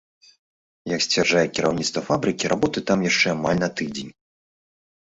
Як сцвярджае кіраўніцтва фабрыкі, работы там яшчэ амаль на тыдзень.